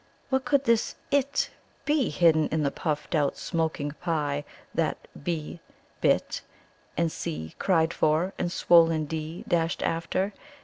What could this "IT" be hidden in the puffed out, smoking pie that "B" bit, and "C" cried for, and swollen "D" dashed after?